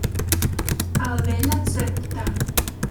Abel acepta.